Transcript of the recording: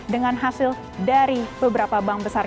dengan hasil dari beberapa bank besar